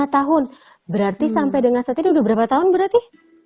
lima tahun berarti sampai dengan saat ini udah berapa tahun berarti